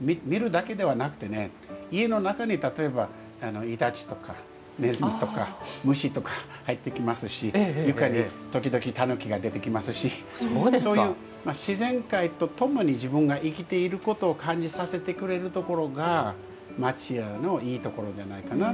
見るだけではなくてね家の中に例えばイタチとかネズミとか虫とか入ってきますし床に時々タヌキが出てきますしそういう自然界と共に自分が生きていることを感じさせてくれるところが町家のいいところじゃないかな。